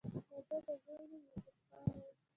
د دۀ د زوي نوم يوسف خان وۀ